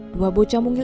dua bocah mungil